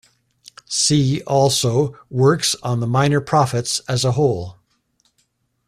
See also works on the Minor Prophets as a whole.